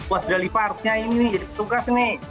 bu mas dalina harusnya ini jadi tugas ini